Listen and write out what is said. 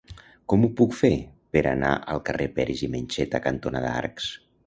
Com ho puc fer per anar al carrer Peris i Mencheta cantonada Arcs?